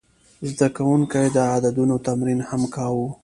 زده کوونکي د عددونو تمرین هم کاوه.